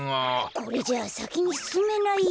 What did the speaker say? これじゃあさきにすすめないよ。